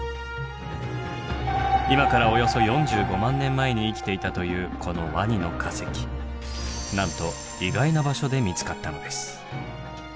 今からおよそ４５万年前に生きていたというこのワニの化石なんと意外な場所で見つかったのです。